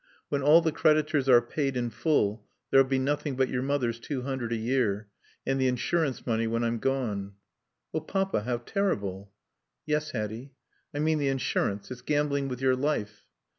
"When all the creditors are paid in full there'll be nothing but your mother's two hundred a year. And the insurance money when I'm gone." "Oh, Papa, how terrible " "Yes, Hatty." "I mean the insurance. It's gambling with your life."